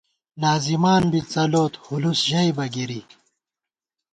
ناظمان بی څلوت، ہولُوس ژَئیبہ گِری